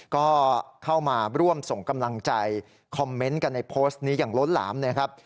ก็เข้ามาร่วมส่งกำลังใจคอมเมนต์กันในโพสต์นี้อย่างล้นหลามนะครับ